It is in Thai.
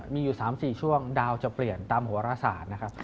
มีอยู่๓๔ช่วงดาวจะเปลี่ยนตามหัวรศาสตร์นะครับ